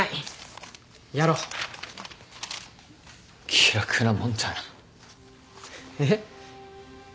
気楽なもんだな。えっ？